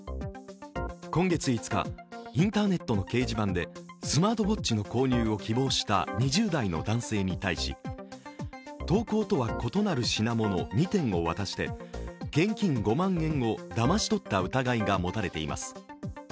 今月５日、インターネットの掲示板でスマートウォッチの購入を希望した２０代の男性に対し投稿とは異なる品物２点を渡して現金５万円をだまし取った疑いが持たれています。